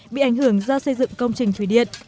bị ảnh hưởng do xây dựng công trình thủy điện